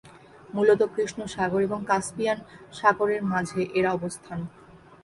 মূলত কৃষ্ণ সাগর এবং কাস্পিয়ান সাগরের মাঝে এর অবস্থান।